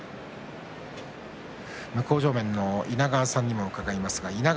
向正面の稲川さんにも伺います。